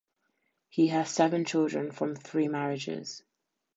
He has seven children from his three marriages.